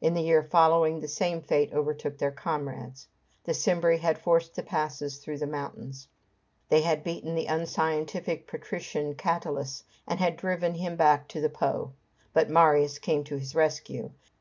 In the year following, the same fate overtook their comrades. The Cimbri had forced the passes through the mountains. They had beaten the unscientific patrician Catulus, and had driven him back on the Po. But Marius came to his rescue.